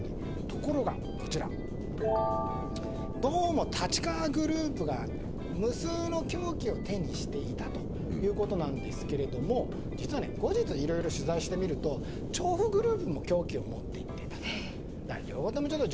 ところが、どうも立川グループが無数の凶器を手にしていたということなんですけれども実は、後日いろいろ取材してみると調布グループも凶器を持っていたと。